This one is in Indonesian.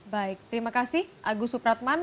baik terima kasih agus supratman